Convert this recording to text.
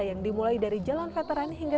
yang dimulai dari jalan veteran hingga